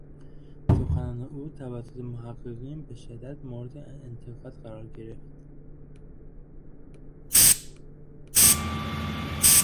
سخنان او توسط محققین به شدت مورد انتقاد قرار گرفت